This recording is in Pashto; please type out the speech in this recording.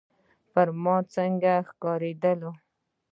پر ما ځکه ښه ولګېد.